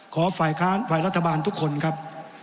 ขอฝ่ายรัฐบาลทุกคนครับ